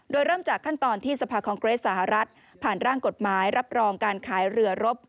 โดยเริ่มจากขั้นตอนที่สภาคองเกรสสหรัฐผ่านร่างกฎหมายรับรองการขายเรือรบ